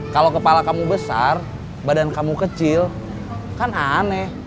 kalau kepala kamu besar badan kamu kecil kan aneh